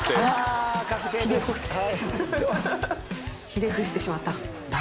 ひれ伏してしまった。